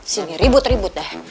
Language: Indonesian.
sini ribut ribut dah